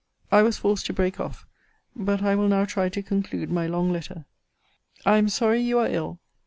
I was forced to break off. But I will now try to conclude my long letter. I am sorry you are ill.